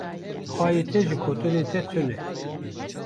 Hayê te ji gotinên te tune.